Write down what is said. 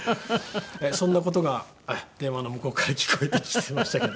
そんな事が電話の向こうから聞こえてきましたけど。